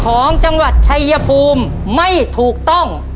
ของจังหวัดชายภูมิไม่ถูกต้อง